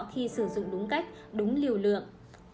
khi sử dụng đúng cách đúng liều lượng